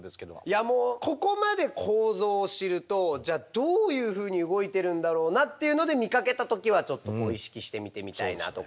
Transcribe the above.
いやもうここまで構造を知るとじゃあどういうふうに動いてるんだろうなっていうので見かけた時はちょっと意識して見てみたいなとか。